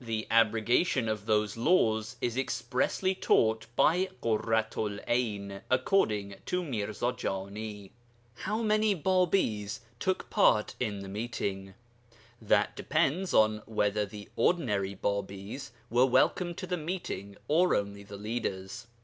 The abrogation of those laws is expressly taught by Ḳurratu'l 'Ayn, according to Mirza Jani. How many Bābīs took part in the Meeting? That depends on whether the ordinary Bābīs were welcomed to the Meeting or only the leaders.